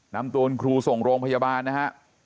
นำตัวคุณครูส่งโรงพยาบาลนะฮะ